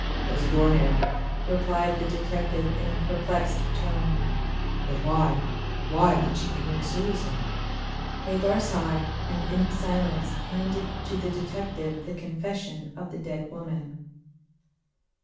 "As a door nail!" replied the detective in a perplexed tone. "But why—why did she commit suicide?" Hagar sighed, and in silence handed to the detective the confession of the dead woman.